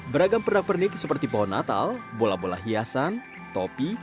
beragam pernak pernik seperti pohon natal bola bola hiasan topi